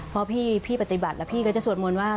เพราะพี่ปฏิบัติแล้วพี่ก็จะสวนมวลว่า